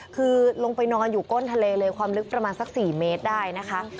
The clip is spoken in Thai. คือลงไปนอนอยู่ก้นทะเลเลยความลึกประมาณสัก๔เมตรได้นะคะ